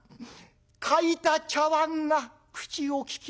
「欠いた茶碗が口を利きました」。